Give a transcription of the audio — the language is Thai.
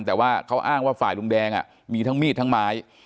แต่ว่าเขาอ้างว่าฝ่ายลุงแดงมีทั้งมีดทั้งไม้